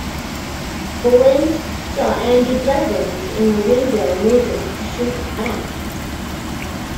Owens saw Andy Blevins in the window moving to shoot back.